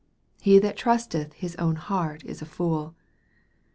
" He that trusteth his own heart is a fool."